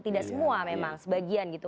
tidak semua memang sebagian gitu